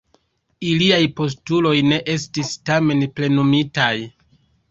Iliaj postuloj ne estis tamen plenumitaj.